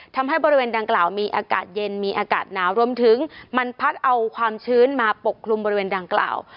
ทำให้บริเวณดังกล่าวมีอากาศเย็นมีอากาศหนาวรวมถึงมันพัดเอาความชื้นมาปกคลุมบริเวณดังกล่าว